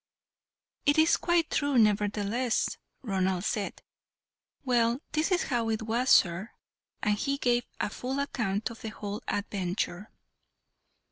"It is quite true, nevertheless," Ronald said. "Well, this is how it was, sir," and he gave a full account of the whole adventure.